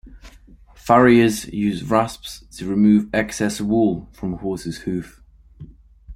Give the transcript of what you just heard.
Farriers use rasps to remove excess wall from a horse's hoof.